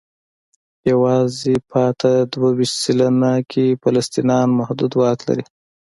یوازې پاتې دوه ویشت سلنه کې فلسطینیان محدود واک لري.